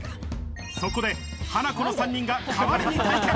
そこでハナコの３人が代わりに体験。